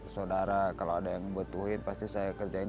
saudara kalau ada yang butuhin pasti saya kerjain